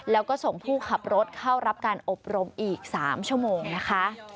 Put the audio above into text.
แล้วก็ส่งผู้ขับรถเข้ารับการอบรมอีก๓ชั่วโมงนะคะ